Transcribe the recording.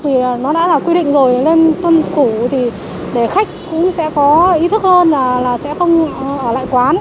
thì nó đã là quy định rồi nên tuân thủ thì để khách cũng sẽ có ý thức hơn là sẽ không ở lại quán